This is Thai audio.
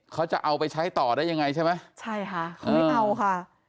เขาจะเอาไปใช้ต่อได้ยังไงใช่ไหมใช่ค่ะเขาไม่เอาค่ะ